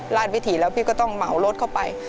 ราชวิถีแล้วพี่ก็ต้องเหมารถเข้าไป